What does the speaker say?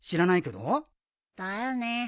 だよね。